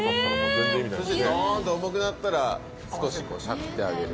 そしてドーンと重くなったら少ししゃくってあげる。